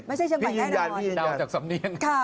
พี่ยืนยานพี่ยืนยานจากสำเนียง